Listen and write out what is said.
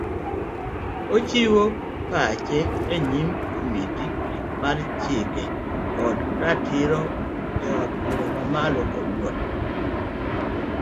Ochiwo pache enyim kamiti mar chike kod ratiro eod bura mamalo kawuono